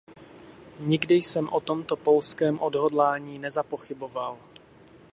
Nikdy jsem o tomto polském odhodlání nezapochyboval.